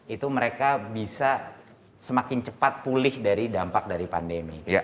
itu mereka bisa semakin cepat pulih dari dampak dari pandemi